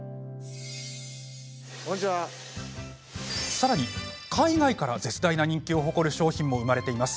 さらに、海外から絶大な人気を誇る商品も生まれています。